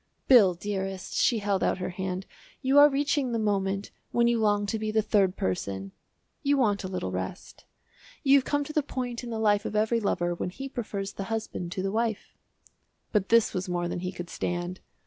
"Bill, dearest," she held out her hand, "you are reaching the moment when you long to be the third person. You want a little rest. You have come to the point in the life of every lover when he prefers the husband to the wife." But this was more than he could stand.